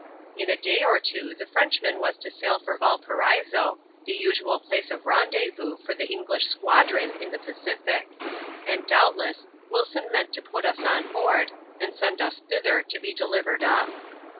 In a day or two the Frenchman wfts to sail for Valparaiso, the usual place of rendezvous for the English squadron in the Pacific ; and doubtless, Wilson meant to put us on board, and send us thither to be delivered up.